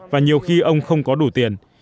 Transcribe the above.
và nhiều khi ông không có đủ tiền